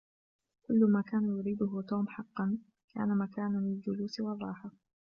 كل ما كان يريده توم حقاً كتن مكان للجلوس والراحة.